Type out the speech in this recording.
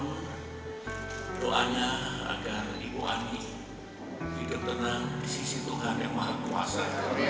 doanya agar ibu ani ikut tenang di sisi tuhan yang maha kuasa